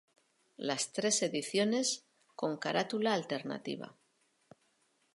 Las tres ediciones con carátula alternativa.